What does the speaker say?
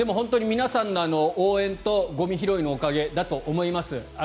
皆さんの応援とゴミ拾いのおかげだと思います。